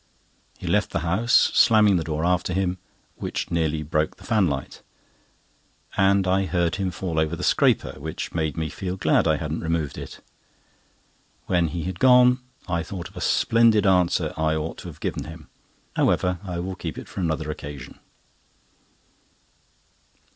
He left the house, slamming the door after him, which nearly broke the fanlight; and I heard him fall over the scraper, which made me feel glad I hadn't removed it. When he had gone, I thought of a splendid answer I ought to have given him. However, I will keep it for another occasion.